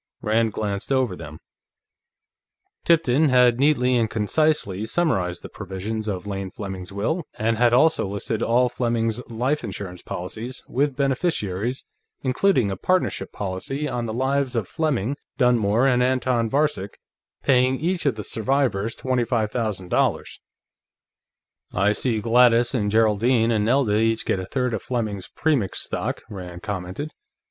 Rand glanced over them. Tipton had neatly and concisely summarized the provisions of Lane Fleming's will, and had also listed all Fleming's life insurance policies, with beneficiaries, including a partnership policy on the lives of Fleming, Dunmore, and Anton Varcek, paying each of the survivors $25,000. "I see Gladys and Geraldine and Nelda each get a third of Fleming's Premix stock," Rand commented.